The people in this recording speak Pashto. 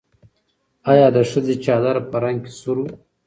ایا د ښځې چادر په رنګ کې سور و؟